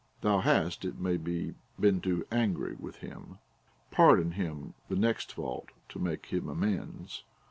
Thou hast, it may be, been too angry with him ; pardon him the next fault to make him amends.